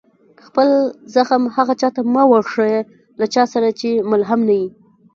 خپل زخم هغه چا ته مه ورښيه، له چا سره چي ملهم نه يي.